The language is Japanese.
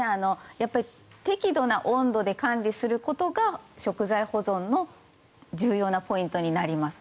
適度な温度で管理することが食材保存の重要なポイントになります。